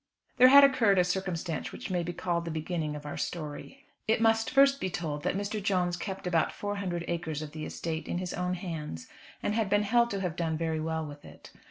There had occurred a circumstance which may be called the beginning of our story. It must first be told that Mr. Jones kept about four hundred acres of the estate in his own hands, and had been held to have done very well with it.